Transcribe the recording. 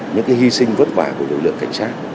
những hy sinh vất vả của lực lượng cảnh sát